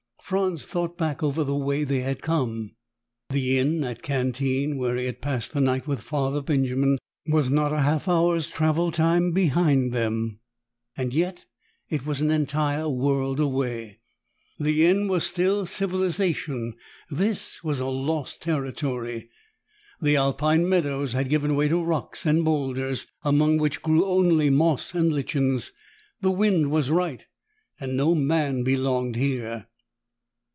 Franz thought back over the way they had come. The inn at Cantine, where he had passed the night with Father Benjamin, was not a half hour's travel time behind them, yet it was an entire world away. The inn was still civilization. This was a lost territory. The Alpine meadows had given way to rocks and boulders, among which grew only moss and lichens. The wind was right and no man belonged here.